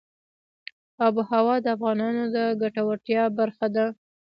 آب وهوا د افغانانو د ګټورتیا برخه ده.